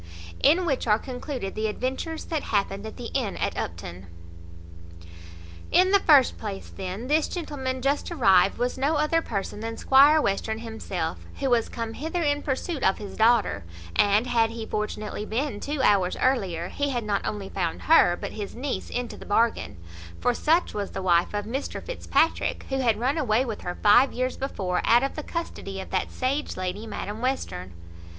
In which are concluded the adventures that happened at the inn at Upton. In the first place, then, this gentleman just arrived was no other person than Squire Western himself, who was come hither in pursuit of his daughter; and, had he fortunately been two hours earlier, he had not only found her, but his niece into the bargain; for such was the wife of Mr Fitzpatrick, who had run away with her five years before, out of the custody of that sage lady, Madam Western.